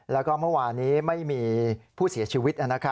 แล้วก็เมื่อวานี้ไม่มีผู้เสียชีวิต